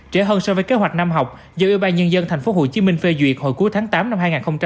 trễ hơn so với kế hoạch năm học do ybnd tp hcm phê duyệt hồi cuối tháng tám năm hai nghìn hai mươi